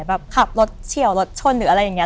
แบบขับรถเฉียวรถชนหรืออะไรอย่างนี้